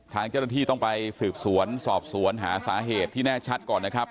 ทางเจ้าหน้าที่ต้องไปสืบสวนสอบสวนหาสาเหตุที่แน่ชัดก่อนนะครับ